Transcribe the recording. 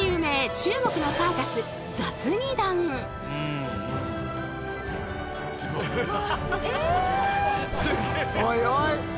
中国のサーカスえ！